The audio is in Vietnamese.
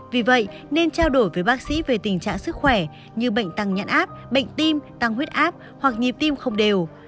vì vậy nên trao đổi với bác sĩ về tình trạng sức khỏe như bệnh tăng nhạn áp bệnh tim tăng huyết áp hoặc nhịp tim không đều